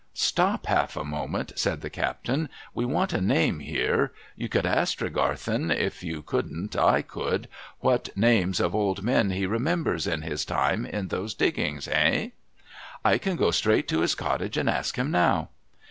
' Stop half a moment,' said the captain, ' We want a name here. You could ask Tregarthen (or if you couldn't 1 could) what names of old men he remembers in his time in those diggings ? Hey ?'' I can go straight to his cottage, and ask him now.'